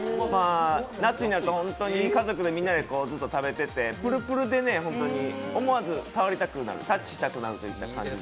夏になると家族みんなでずっと食べてて、プルプルで本当に思わず触りたくなるタッチしたくなるという。